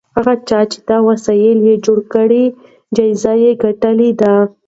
هغه چا چې دا وسایل جوړ کړي جایزه یې ګټلې ده.